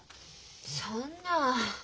そんな。